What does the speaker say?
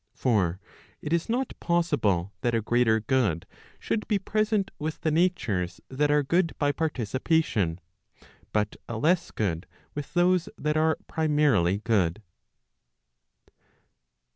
For it is not possible that a greater good should be present with the natures that are good by participation, but a less good with those that are primarily good.